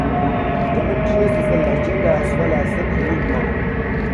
Demetrius is a legend as well as an enigma.